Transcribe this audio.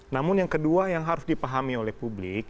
namun yang kedua yang harus dipahami oleh publik